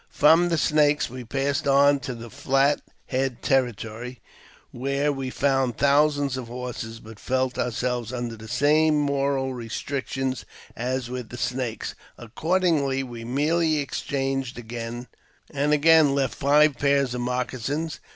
From the Snakes we passed on to the Flat Head territory, where we found thousands of horses, but felt ourselves under the same moral restrictions as with the Snakes. Accordingly, we merely exchanged again, and again left five pairs of moccasins.